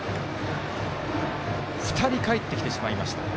２人かえってきてしまいました。